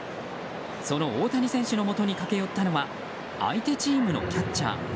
その大谷選手のもとに駆け寄ったのは相手チームのキャッチャー。